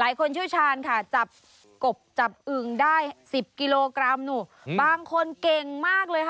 หลายคนเชี่ยวชาญค่ะจับกบจับอึงได้สิบกิโลกรัมหนูบางคนเก่งมากเลยค่ะ